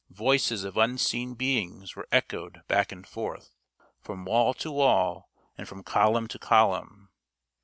Voices of unseen beings were echoed back and forth, from wall to wall and from column to column.